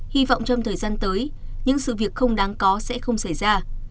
hy vọng trong thời gian tới những sự việc không đáng có sẽ không xảy ra